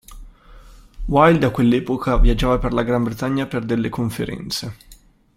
Wilde a quell'epoca viaggiava per la Gran Bretagna per delle conferenze.